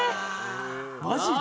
マジで？